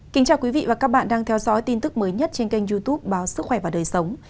kính chào quý vị và các bạn đang theo dõi tin tức mới nhất trên kênh youtube báo sức khỏe và đời sống